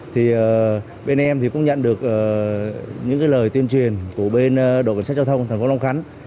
thì bên em cũng nhận được những lời tuyên truyền của bên đội kiểm soát giao thông thành phố long khánh